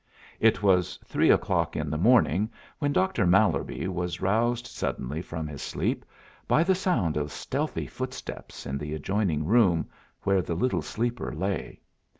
It was three o'clock in the morning when Doctor Mallerby was roused suddenly from his sleep by the sound of stealthy footsteps in the adjoining room, where the little sleeper lay.